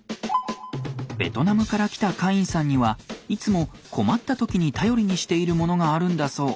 ベトナムから来たカインさんにはいつも困った時に頼りにしているものがあるんだそう。